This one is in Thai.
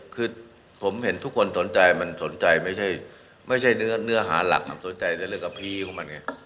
คือผมเห็นทุกคนสนใจมันสนใจไม่ใช่เนื้อหาหลักความสนใจในเรื่องกับผีของมันไง